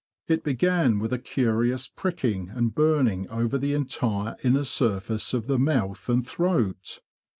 It began with a curious pricking and burning over the entire inner surface of the mouth and throat.